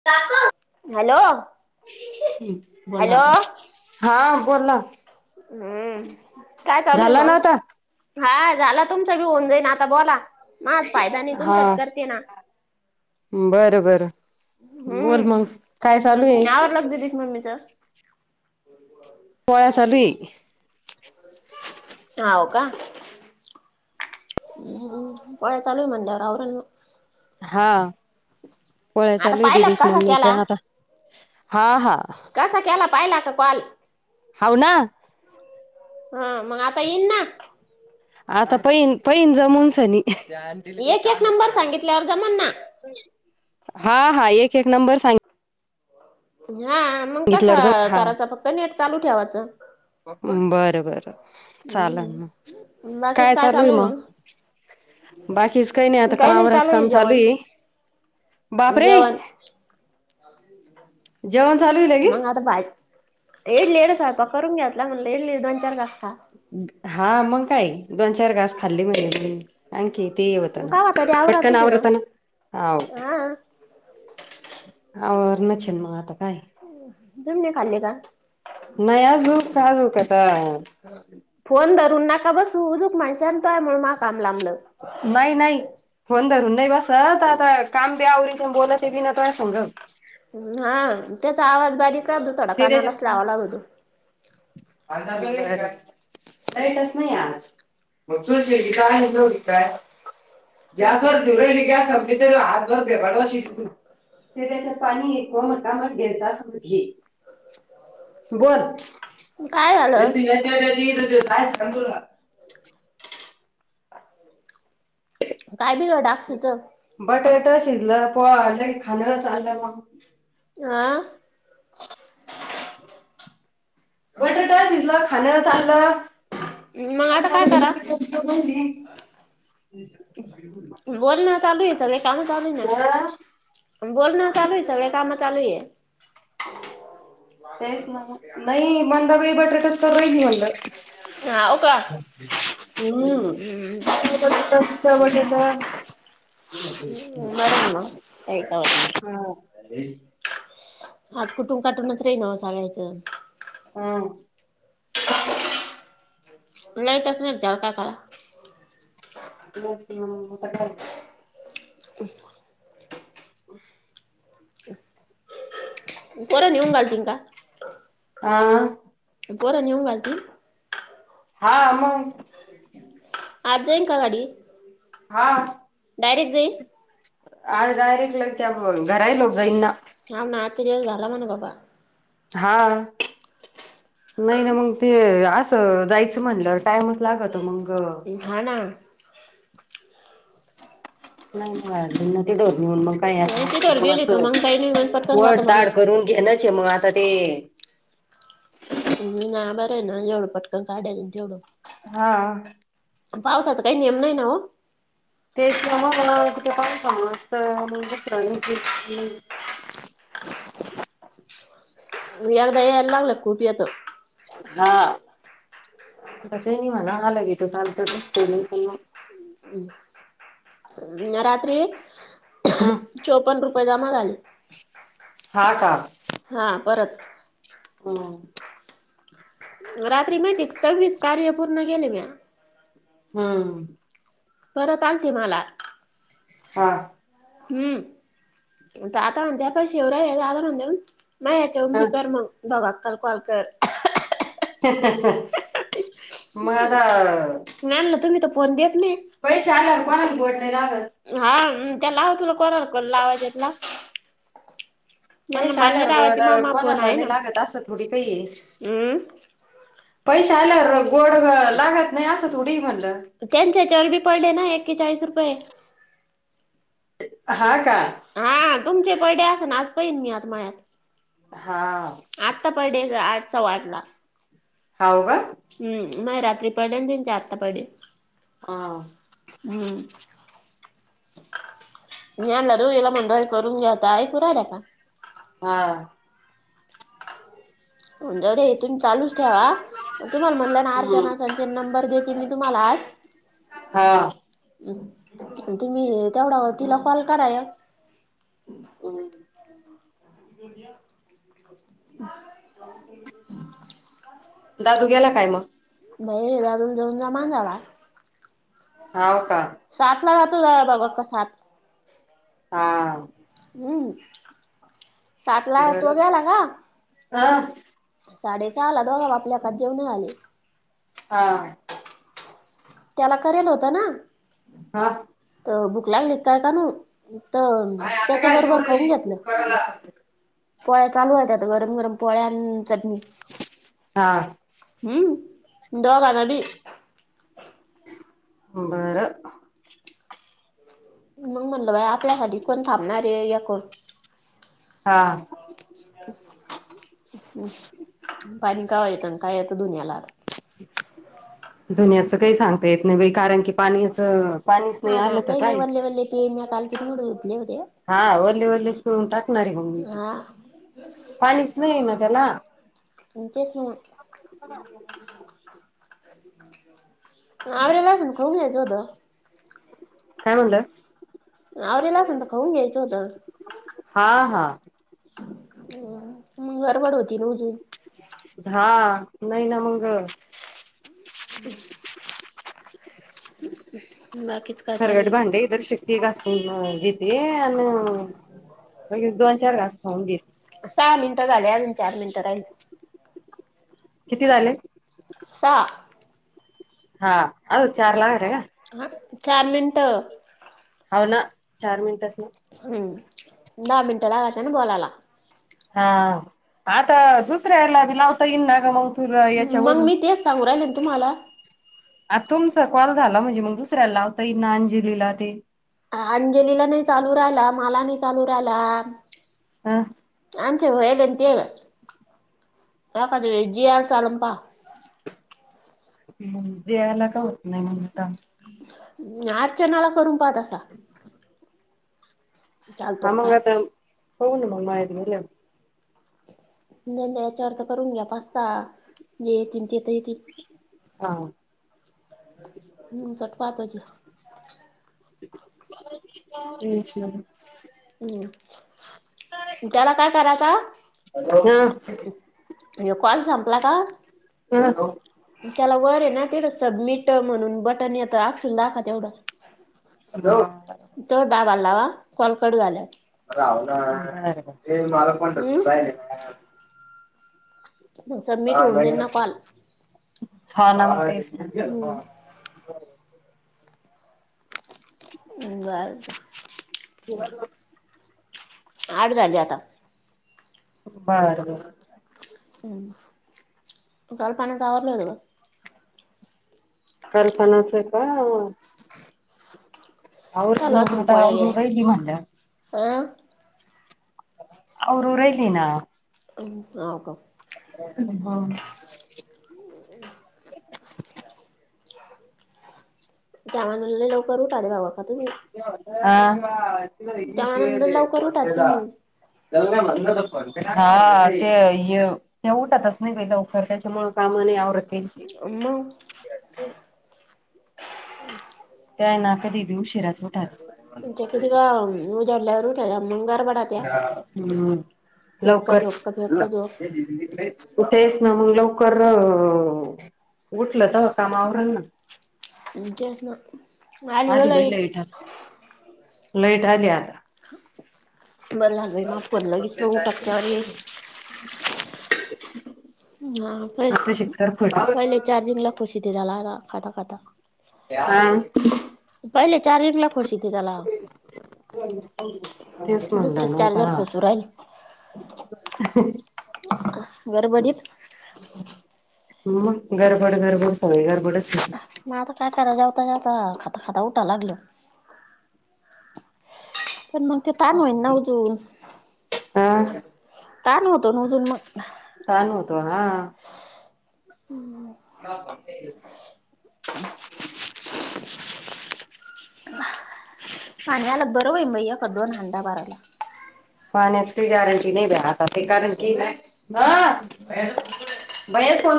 [unintelligible] Hello! बोला hello आता हा बोला. हम्म काय चालूय झाला ना मग. आता हा झाला तुमच बी होऊन जाई ना आता बोला माच फायदा नाही हा तुमचा करते ना. बरं बरं हम्म बोल मग काय चालू आहे यावर लगते तच मम्मीच. पोळ्या चालू है. ह का. पोळ्या चालू है म्हंटल्यावर. हा पोळ्या आता चालू आहे पाहिला दिदीश का कसा केला मम्मीच्या आता हा हा. कसां केला पाहिला का कॉल हाऊ ना ह मंग आता येईन ना आता पईन पईन जमुनसनी एक एक नंबर सांगितल्यावर जमण ना हा हा एक एक नंबर सांग हा मंग तसा सांगितल्यावर जाऊ हा कराचा फक्त नेट चालू ठेवाचं बरं बर चालनं म हम्म बाकीच काय चालू चालूय आहे मंग मग बाकीच काही नाही आता काम आवरांच काम चालू ये. बापरे! जेवण जेवण चालू आहे लगे मग आता बायं येडली येड संयपाक करून घेतला म्हणल येडली इड दोन चार घास खां. हा मंग काय दोन चार घास खाल्ली म्हणे मी आणखीन ते ये होत ना कावा तरी पटकन आवराचच आहे आवरत ना हाव हा आवरनचन ये नं मंग आता काय तुम्ही नाय खाल्ले का? नाय आजूक आजूक आता फोन धरून नका बसु उजुक म्हणशान त म्हणलं माअ काम लांबलं. नाही नाही. फोन धरून नाही बसत आता काम बी आवरिते अन बोलते बी ना त्वसंग हा त्याचा आवाज बारीक राहतो थोडा ते त्याच्यात कानालाच लावा लागतो. [unintelligible] लाईटच नाही अग आज गॅसवर ठेवू राहिली गॅस संपली तर हातभर फेबाड वाशीती तूं ते त्याच पाणी कोमट कामट घ्यायच असनं त घे बोल काय झालं [unintelligible] काय बिघड अक्षुच बटाटा शिजला पोला की खादना चाला म आ बटाटा शिजलं खाणाला चागलं मग आता काय करा [unintelligible] बोलणं चालू ये सगळी काम चालू ये ना बोलन चालूये सगळे काम चालू ये. तेच ना म नाई मंदाबाई बटाटच करू राहिली म्हणलं हा हो का हम्म टमाटे म्हण हम्म मर ना मं काही का होत नायं. [unintelligible] आज कुठून काटूनच राही न ओ सगळ्यांचं ह लाईटच नाई त्याला काय पावा मॅक्सममं होत काय मं [unintelligible] [unintelligible] पोरं नेऊन घालतील का? आ पोरं नेऊन घालतील. हा मग आज जाईन का गाडी हा. डारेक्ट जाईन आजडायरेक्ट लगे त्या घरालोग जाईना. हाव ना आजचा दिवस घाला म्हणे बाबा हा टी. नाही ना मग ते असं जायचं म्हणलं टाइमच लागतो मग हा ना. नाही. गारजंना ते डोरणीून मग काय नाही तिथवर गेली अस तो मग काही नाही मग पटकन जातो वड ताड माणूस करून घे ना. जे मग आता ते हम् नाही बरं ना जेवढं पटकन काढल्या तेवढं. हा. पावसाचा काही नियम नाही ना हो. तेच त मग ना किती सांभाळून स्तर दुसऱ्यांनी एकदा यायला लागलं का खूप येतं. हा आता काही नाही म्हणा आल बी चालतं तसं काही नाही पण मग ह. हा रात्री हम्म ह्या चोपन्न रुपये जमा झाले हा हा परत ह. रात्री माहिती सव्वीस कार्य पूर्ण केले मी हम. परत आल ते मला हा. हम् तर आता म्हणते आपण शिवराय आता म्हणते म्ह म या्याच्यावरून भी कर मग दोघा काल कॉल कर. ह ह ह. नाहीम ना तुम्ही तर फोन देत नाही. पैसे आल्यावर कोणाला गोड नाही लागत. हा. त्या लाव तुला कोार करण लावाजतला पैसे आल्यावर कोणाला नाही लागत असं थोडी काही हमं. पैसे आल्या गोड लागत नाही असं थोडीही म्हणलं. त्यांनच्या चवर बी पडले ना एके चाळीस रुपये हा का? हा तुमचे बडडे अस ना आज पहिन मी आता मळ्यात हा. आत्ता पडे ग आजचा वाटला. ह का? हम् मग रात्री पडे आणि त्यांच्या आत्ता पडेल. हा. हम्म. मी आणला तूला म्हण करून घात पुरायला का? हा. हो जा रे इेतून चालूच ठ्या ह. तुम्हाला म्हटलं ना हम्म अर्चनाचा अन् तेन नंबर देते मी तुम्हाला आज. हां. तुम्ही तेवढा तिला कॉल करा या. हम्म [inaudible] दादू गेला काय म? बाई दादुल जाऊन जामान जाला. हाव का? सात ला जातो जा बघा का सात. हां. हम्म सात ला बर तो ग्याला का अ. साडे सहाला दोघा बापलेकात जेवण आले. हा. त्याला करेल होतं ना. हा. त बुक ला ल काय का न त त्याच्या बरोबर खाऊन घेतलं. पोळ्या चालू आहेत आता गरम गरम पोळ्या अन् चटणी. हा. हम्म दघनाबी. बरं. मंग म्हणलं बाई आपल्यासाठी कोण थांबणारे याकून. हा. पाणी कवा येतं ना काय येतं दुनियाला. दुनियाच काही सांगता येत नाही बाई कारण की पाणीचं पाणीच नाही आलं तर काही. तेम काल किती मुठडे दुधले होते. हा ओरले ओरलेच पिळून टाकणारे मंग मी हा पाणीच नाहीये ना त्याला. हम तेच ना. आवडे लावच खऊ घ्याचोध. काय म्हणलं. अरेला असन तर खाऊन घेयच होत. हा हा. ह मग गरबड होती ना अजून. हा नाही ना मंग. [inaudible] बाकीचं काय चालुये? इ शिक. ती घासून घेते अन् लगेच दोन चार घास खाऊन घेते. सहा मिनटं झाल्या अजून चार मिनटं राही किती झाले. सहा. हा अजू चार लागते का? हा चार मिनट. हाव ना. चार मिनिटच ना. हम्म दहा मिनटं लागात्या ना बोलायला. हा आता दुसऱ्याला बी लावता येईन ना ग मग. तुला मग याच्यावरून. मी तेच सांगू राहिले ना तुम्हाला. आता तुमचा कॉल झाला म्हणजे, मग दुसऱ्या लावता येइन ना अंजलीला ते. अंजलीला नाही चालू राहिला. मला नाही चालू राहिला. ह. आमची होईल हे ना ते. एखाद्या ज्याला चालून पहा. मग जीयला का होत नाही मग आता. अर्चनाला करून पाहा तसा. ह. [inaudible] चालतो हा मग काय आता. बघु ना मग मळ्यात गेल्याव. नाही नाही याच्यावरर्थ करून घ्या पाच सा. जे येतीन ते त येतीन हा. नंतर पाहतोचे. [inaudible] हम् त्याला काय करायच? हा. [unintelligible] य कॉल संपला का? ह. त्याला वरे ना. तीढ सबमीट म्हणून बटन येत. आकक्षुला दाखवा तेवढं. ह. तवर दादाला लावा. कॉल कट झाल्यावर हम्म [inaudible] सबमिट होऊन जाईल ना कॉल हा ना म तेच ना. हम्म बर. हो. [unintelligible] आठ झाली आता. बर बर. हम्म कल्पनाच आवरला न ग. कल्पनाच का? आवरती चालू ना. असून आता पोळ्या आवरून गेल्या राहिली म्हणल्यावर. अं. आवरू राहीली ना. हाव का? हह [unintelligible] त्या मानानं लई लवकर उठाते भाऊ अक्का तुम्ही. अ. हा ते त्या मानाने लय लवकर उठात तुम्ही य त्या उठतच नाही बाई लवकर. त्याच्यामुळ काम नाही आवरत बाई त्याची. मग. त्यांय ना कधी बी उशिराच उठात्या. त्या किती क उजाडल्यावर उठाते, मग बरोबरे. हम्म फेक्का लवकर जोक का फेक्का जोक तेच ना मग लवकर उठल तवा काम आवरण ना. [unintelligible] आली बाई लाईट आता, लाईट आली आता. बरं झाललं [unintelligible] टाकच्यावर [unintelligible] [inaudible] हा प आताशी करफट पहिले चार्जिंग ला खुशी [unintelligible] खाता खाता हा [inaudible] पहिले चार्जिंग ला खुशी [unintelligible] त्याला तेच म्हणलं दुसरं ना चार्जर आता. खोसू राहील गरबडीत. ह मग गरबड गरबड सगळी गर्बडच झाली. मग आता काय करा जावता जावता, खाता खाता उठाला लागलं. पण मग ते ताण होईन ना उजून [unintelligible] हा. ताण होतो ना उजून मग. ताण होतो हा. हम् [inaudible] [inaudible] [inaudible] सांगायला बरं होईल, म एक, दोन हांडा भरायला. पाण्याची काही गॅरंटी नाही बाई आता ते कारण की- हा भैया [unintelligible] भैया